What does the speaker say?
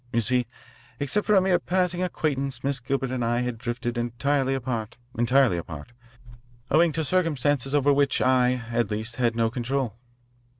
You see, except for a mere passing acquaintance Miss Gilbert and I had drifted entirely apart entirely apart owing to circumstances over which I, at least, had no control."